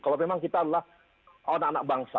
kalau memang kita adalah anak anak bangsa